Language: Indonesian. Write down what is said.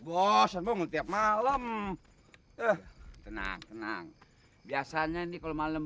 bosan bos tiap malam tenang tenang biasanya nih kalau malam